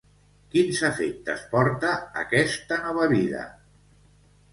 Quins efectes porta aquesta nova vida?